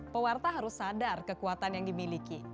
pewarta harus sadar kekuatan yang dimiliki